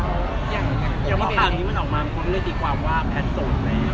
อย่างเงี้ยแต่ว่าฝั่งนี้มันออกมาคนก็ได้ตีความว่าแพทย์สดแล้ว